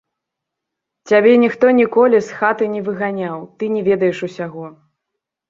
Цябе ніхто ніколі з хаты не выганяў, ты не ведаеш усяго.